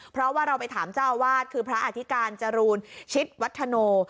เพราะว่าเราไปถามเจ้าอาวาสคือพระอธิการจรูนชิตวัฒโน